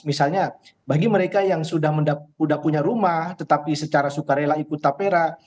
misalnya bagi mereka yang sudah punya rumah tetapi secara sukarela ikut tapera